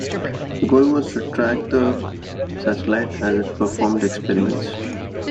The goal was to track the satellite as it performed experiments.